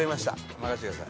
任してください